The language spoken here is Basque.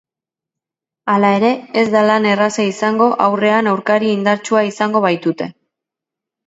Hala ere, ez da lan erraza izango aurrean aurkari indartsua izango baitute.